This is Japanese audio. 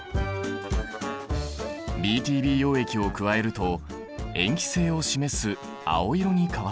ＢＴＢ溶液を加えると塩基性を示す青色に変わった。